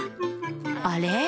あれ？